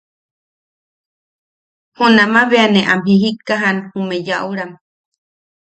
Junama bea ne am jijikkajan ume yaʼuram.